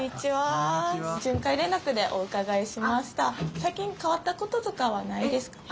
さい近かわったこととかはないですかね？